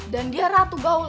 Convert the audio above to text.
dan dia ratu gaul